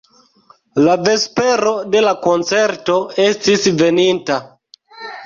La vespero de la koncerto estis veninta.